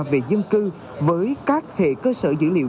về dân cư với các hệ cơ sở dữ liệu